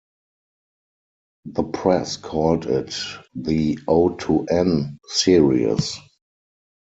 The press called it the O-N Series.